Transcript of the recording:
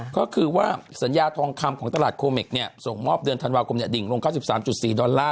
ก็คือว่าสัญญาทองคำของตลาดโคเมคส่งมอบเดือนธันวาคมดิ่งลง๙๓๔ดอลลาร์